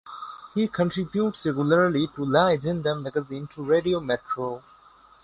He contributes regularly to La Agenda magazine to Radio Metro.